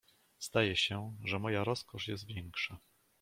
"Zdaje się, że moja rozkosz jest większa."